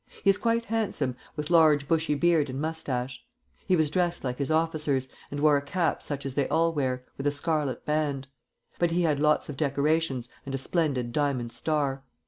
He is quite handsome, with large bushy beard and moustache. He was dressed like his officers, and wore a cap such as they all wear, with a scarlet band; but he had lots of decorations and a splendid diamond star.